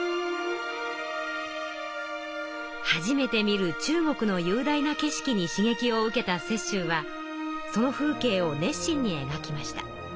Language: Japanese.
初めて見る中国のゆう大な景色にしげきを受けた雪舟はその風景を熱心に描きました。